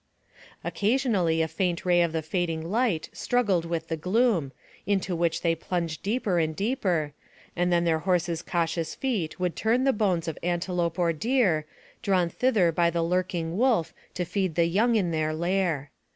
Occasionally a faint ray of the fading light struggled with the gloom, into which they plunged deeper and deeper, and then their horses' cautious feet would turn the bones of antelope or deer, drawn thither by the lurking wolf to feed the young in their lair.